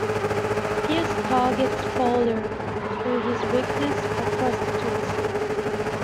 Pierce targets Fowler through his weakness for prostitutes.